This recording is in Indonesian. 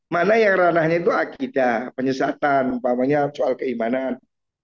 mana yang ranahnya itu akidah penyesatan umpamanya soal keimanan